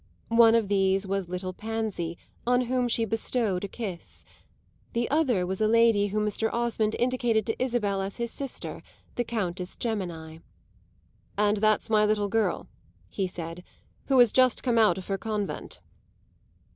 One of these was little Pansy, on whom she bestowed a kiss; the other was a lady whom Mr. Osmond indicated to Isabel as his sister, the Countess Gemini. "And that's my little girl," he said, "who has just come out of her convent."